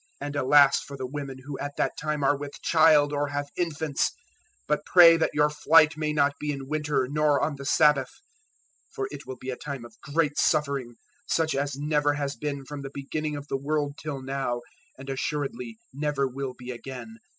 024:019 And alas for the women who at that time are with child or have infants! 024:020 "But pray that your flight may not be in winter, nor on the Sabbath; 024:021 for it will be a time of great suffering, such as never has been from the beginning of the world till now, and assuredly never will be again.